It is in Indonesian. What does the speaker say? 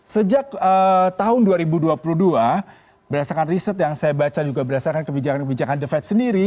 sejak tahun dua ribu dua puluh dua berdasarkan riset yang saya baca juga berdasarkan kebijakan kebijakan the fed sendiri